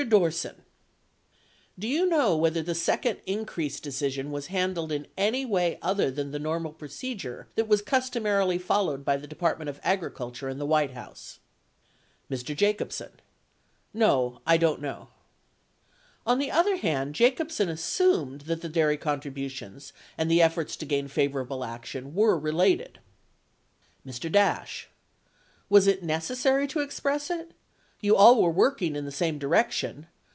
Dorsen. Do you know whether the second increase deci sion was handled in any way other than the normal procedure that was customarily followed by the Department of Agricul ture and the White House? Mr. Jacobsen. No ; I don't know. 42 On the other hand, Jacobsen assumed that the dairy contributions and the efforts to gain favorable action were related : Mr. Dash. Was it necessary to express it? You all were working in the same direction.